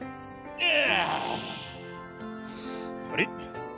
あれ？